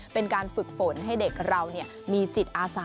เป็นการฝึกฝนให้เด็กเรามีจิตอาสา